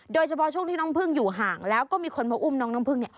โดยเฉพาะช่วงที่น้องพึ่งอยู่ห่างแล้วก็มีคนมาอุ้มน้องน้ำพึ่งเนี่ย